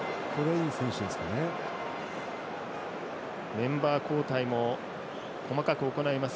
メンバー交代も細かく行います。